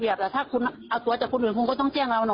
ไม่ได้คืนตั๋ว